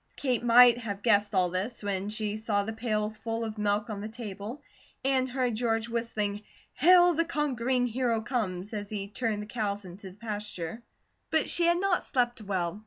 Kate might have guessed all this when she saw the pails full of milk on the table, and heard George whistling "Hail the Conquering Hero Comes," as he turned the cows into the pasture; but she had not slept well.